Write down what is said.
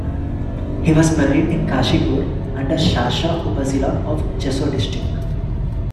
He was buried in Kashipur under Sharsha upazila of Jessore district.